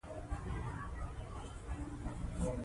پر موږ سربېره راتلونکو نسلونو ته به هم دا ناول پاتې شي.